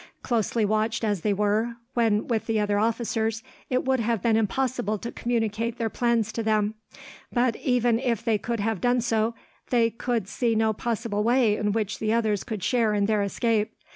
Closely watched as they were, when with the other officers, it would have been impossible to communicate their plans to them; but, even if they could have done so, they could see no possible way in which the others could share in their escape.